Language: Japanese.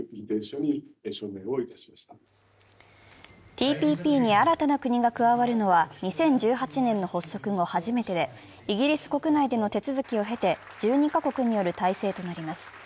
ＴＰＰに新たな国が加わるのは２０１８年の発足後初めてでイギリス国内での手続きを経て１２か国による体制となります。